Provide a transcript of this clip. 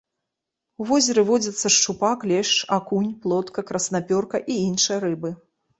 У возеры водзяцца шчупак, лешч, акунь, плотка, краснапёрка і іншыя рыбы.